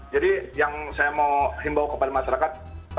jadi yang saya mau himbaw kepada masyarakat